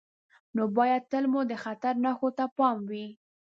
نو باید تل مو د خطر نښو ته پام وي.